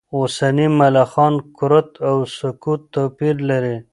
اوسني ملخان کورټ و سکوټ توپیر لري.